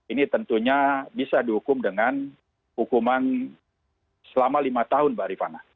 ini tentunya bisa dihukum dengan hukuman selama lima tahun mbak rifana